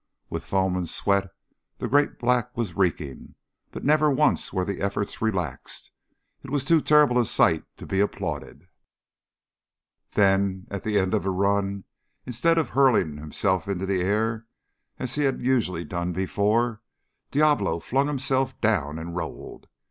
With foam and sweat the great black was reeking, but never once were the efforts relaxed. It was too terrible a sight to be applauded. Then, at the end of a run, instead of hurling himself into the air as he had usually done before, Diablo flung himself down and rolled.